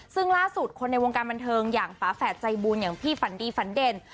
ซึ่งล่าสุดคนในวงการบันเทิงอย่างฝาแฝดใจบุญอย่างพี่ฝันดีฝันเด่น